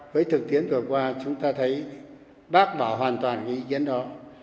với thực tiến vừa qua chúng ta thấy bác bảo hoàn toàn ý kiến đó